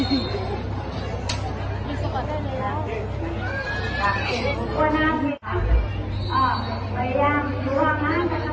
พยายามรู้ว่างานกระทับพิษนะครับ